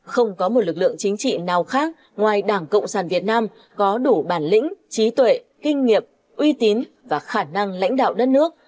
không có một lực lượng chính trị nào khác ngoài đảng cộng sản việt nam có đủ bản lĩnh trí tuệ kinh nghiệm uy tín và khả năng lãnh đạo đất nước